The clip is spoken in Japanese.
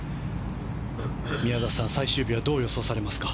宮里さん、最終日はどう予想されますか。